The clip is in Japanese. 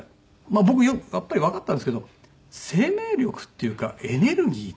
まあ僕やっぱりわかったんですけど生命力っていうかエネルギーっていうかね